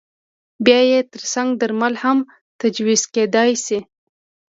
بیا یې ترڅنګ درمل هم تجویز کېدای شي.